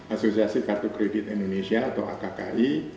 asosiasi kartu kredit indonesia atau akki